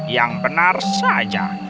yang benar saja